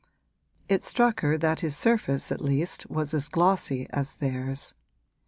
It struck her that his surface at least was as glossy as theirs.